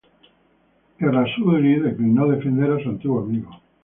Errázuriz declinó defender a su antiguo amigo.